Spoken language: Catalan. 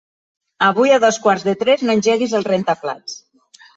Avui a dos quarts de tres no engeguis el rentaplats.